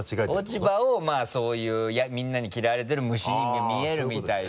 落ち葉をまぁそういうみんなに嫌われてる虫に見えるみたいで。